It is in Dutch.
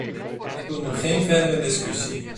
Ik wil nu geen verdere discussie.